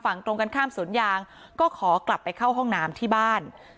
ตรงกันข้ามสวนยางก็ขอกลับไปเข้าห้องน้ำที่บ้าน